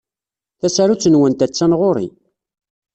Tasarut-nwent attan ɣur-i.